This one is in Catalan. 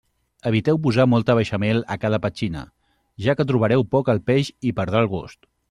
Eviteu posar molta beixamel a cada petxina, ja que trobareu poc el peix i perdrà el gust.